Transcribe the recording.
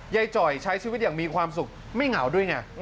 จ่อยใช้ชีวิตอย่างมีความสุขไม่เหงาด้วยไง